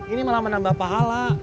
ini mah nambah pahala